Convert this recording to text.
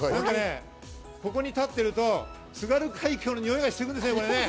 ここに立っていると津軽海峡のにおいがしてくるんですよね。